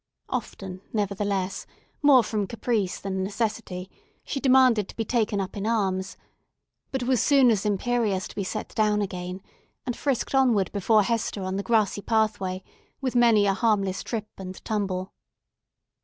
Often, nevertheless, more from caprice than necessity, she demanded to be taken up in arms; but was soon as imperious to be let down again, and frisked onward before Hester on the grassy pathway, with many a harmless trip and tumble.